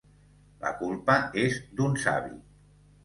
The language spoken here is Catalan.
La culpa és d'un savi.